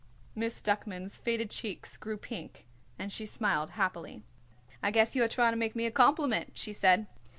Miss Duckman's faded cheeks grew pink and she smiled happily. "I guess you are trying to make me a compliment," she said.